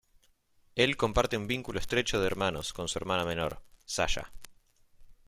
Él comparte un vínculo estrecho de hermanos con su hermana menor, Sasha.